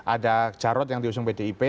ada jarut yang diusung bdip